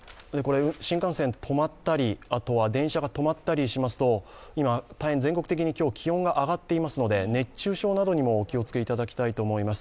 新幹線、止まったりあとは電車が止まったりしますと今、大変全国的に今日、気温が上がっていますので熱中症などにもお気をつけいただきたいと思います。